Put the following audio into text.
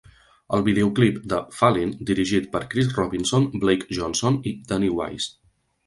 El videoclip de "Fallin'", dirigit per Chris Robinson, Blake Johnson i Danny Wise.